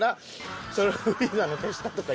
それをフリーザの手下とか。